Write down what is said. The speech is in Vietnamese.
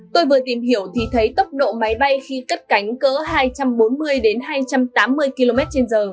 tôi vừa tìm hiểu thì thấy tốc độ máy bay khi cắt cánh cỡ hai trăm linh kmh